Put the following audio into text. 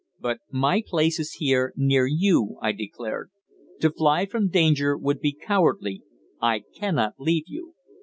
"But my place is here near you," I declared. "To fly from danger would be cowardly. I cannot leave you."